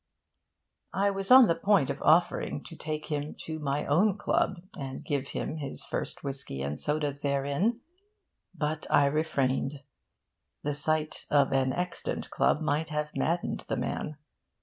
I was on the point of offering to take him to my own club and give him his first whisky and soda therein. But I refrained. The sight of an extant club might have maddened the man.